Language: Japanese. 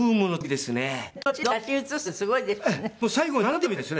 すごいですね。